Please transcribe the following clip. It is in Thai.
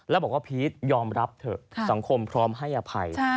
แล้วบอกว่าพีชยอมรับเถอะสังคมพร้อมให้อภัย